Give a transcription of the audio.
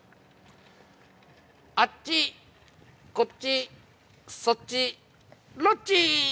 あっちこっちそっちロッチー！